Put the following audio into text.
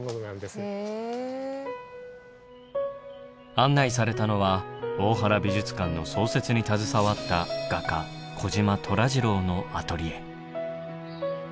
案内されたのは大原美術館の創設に携わった画家児島虎次郎のアトリエ。